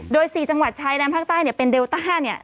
โดย๔จังหวัดชายแดนภาคใต้เป็นเดลต้า